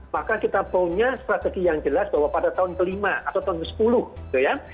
maka kita punya strategi yang jelas bahwa pada tahun kelima atau tahun ke sepuluh gitu ya